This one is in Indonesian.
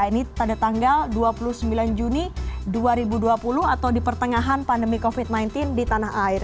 ini pada tanggal dua puluh sembilan juni dua ribu dua puluh atau di pertengahan pandemi covid sembilan belas di tanah air